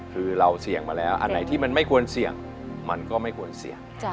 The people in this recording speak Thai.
คือเราเสี่ยงมาแล้วอันไหนที่มันไม่ควรเสี่ยงมันก็ไม่ควรเสี่ยง